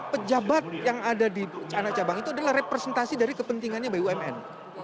pejabat yang ada di anak cabang itu adalah representasi dari kepentingannya bumn